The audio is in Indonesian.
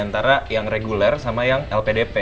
antara yang reguler sama yang lpdp